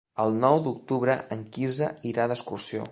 El nou d'octubre en Quirze irà d'excursió.